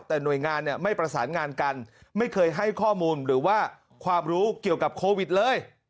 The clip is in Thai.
แต่หน่วยงานเนี่ยไม่ประสานงานกันไม่เคยให้ข้อมูลหรือว่าความรู้เกี่ยวกับโควิดเลย